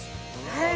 はい。